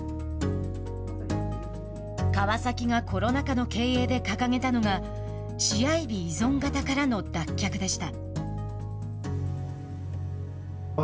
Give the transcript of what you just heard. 川崎がコロナ禍の経営で掲げたのが試合日依存型からの脱却でした。